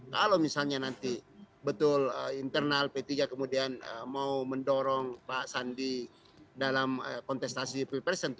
kalau misalnya nanti betul internal p tiga kemudian mau mendorong pak sandi dalam kontestasi pilpres